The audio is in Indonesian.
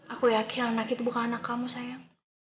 aku yakin anak itu bukan anak kamu sayang